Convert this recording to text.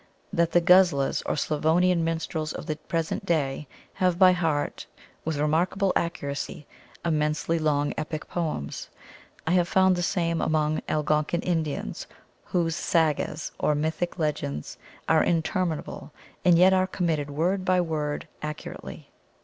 That the Guzlas or Slavonian minstrels of the present day have by heart with remarkable accuracy immensely long epic poems. I have found the same among Algonkin Indians, whose sagas or mythic legends are interminable, and yet are committed word by word accurately.